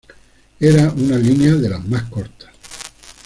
Era una línea de las más cortas.